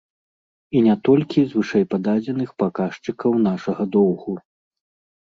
І не толькі з вышэйпададзеных паказчыкаў нашага доўгу.